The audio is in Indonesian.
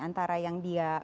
antara yang dia